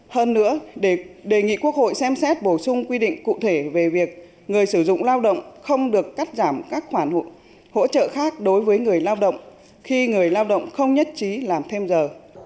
hơn nữa đề nghị quốc hội xem xét bổ sung quy định cụ thể về việc người sử dụng lao động không được cắt giảm các khoản hỗ trợ khác đối với người lao động khi người lao động không nhất trí làm thêm giờ